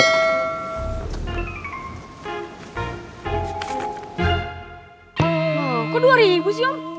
kok dua ribu sih om